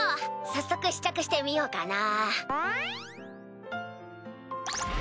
早速試着してみようかな。